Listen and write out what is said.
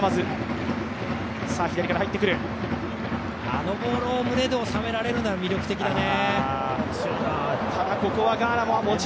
あのボールを胸で収められるのは魅力的だね。